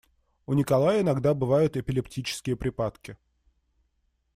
У Николая иногда бывают эпилептические припадки